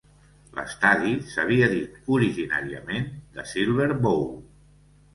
L'estadi s'havia dit originàriament The Silver Bowl.